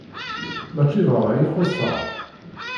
Mačči d ṛṛay i xuṣṣeɣ.